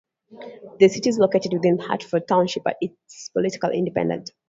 The city is located within Hartford Township, but is politically independent.